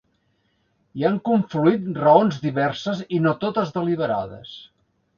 Hi han confluït raons diverses i no totes deliberades.